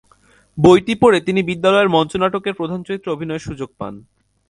বইটি পড়ে তিনি বিদ্যালয়ের মঞ্চনাটকের প্রধান চরিত্রে অভিনয়ের সুযোগ পান।